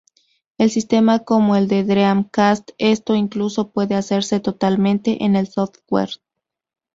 En sistemas como el de Dreamcast, esto incluso puede hacerse totalmente en el software.